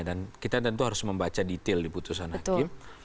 dan kita tentu harus membaca detail di putusan hakim